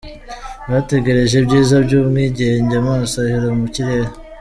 Bategereje ibyiza by’ubwigenge amaso ahera mu kirere.